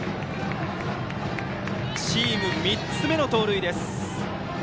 チーム３つ目の盗塁です。